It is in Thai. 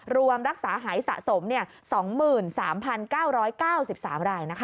รวมรักษาหายสะสม๒๓๙๙๓รายนะคะ